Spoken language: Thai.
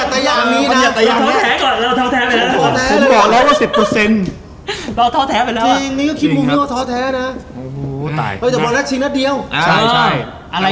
จริงหรือพวกเค้าก็ง้ำไป